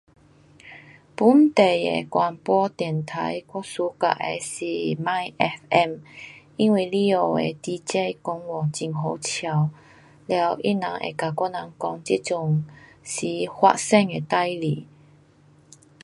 本地的广播电台我 suka 的是 my.fm 因为里下的 DJ 讲话很好笑，了他人会跟我人讲这阵时发生的事情。